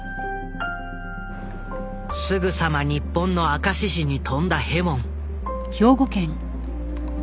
すぐさま日本の明石市に飛んだヘウォン。